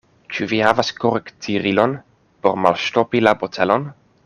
Ĉu vi havas korktirilon, por malŝtopi la botelon?